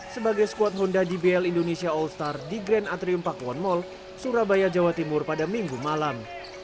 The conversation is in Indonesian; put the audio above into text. sebagai squad honda dbl indonesia all star di grand atrium pakuwon mall surabaya jawa timur pada minggu malam